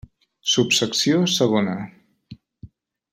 Subsecció segona.